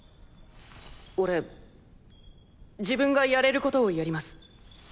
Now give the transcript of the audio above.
俺自分がやれることをやります。